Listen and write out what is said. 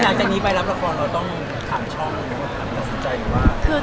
อาจารย์นี้ไปรับละครเราต้องขามชอบขามรักษาใจหรือว่า